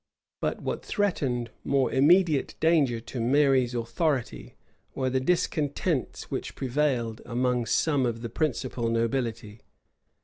[] But what threatened more immediate danger to Mary's authority, were the discontents which prevailed among some of the principal nobility.